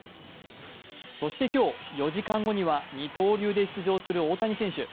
そして今日、４時間後には二刀流で出場する大谷選手。